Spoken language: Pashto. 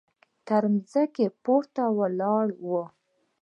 تر ځمکې پورته ولاړه وه.